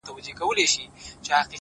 داسي نه كيږي چي اوونـــۍ كې گـــورم”